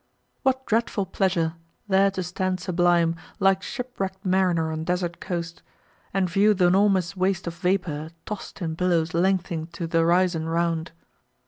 What dreadful pleasure! there to stand sublime, Like shipwreck'd mariner on desert coast, And view th'enormous waste of vapour, tost In billows length'ning to th'horizon round!